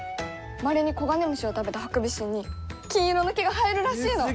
まれにコガネムシを食べたハクビシンに金色の毛が生えるらしいの！